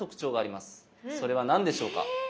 それは何でしょうか？